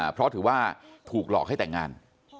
เพราะถือว่าถูกหลอกให้แต่งงาน